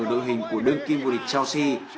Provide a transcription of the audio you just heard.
và đội hình của đương kim vô địch chelsea